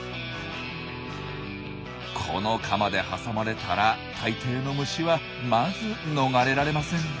このカマで挟まれたら大抵の虫はまず逃れられません。